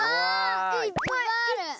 いっぱいある。